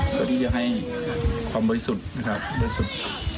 ก็ได้ให้ความบริสุทธิ์นะครับบริสุทธิ์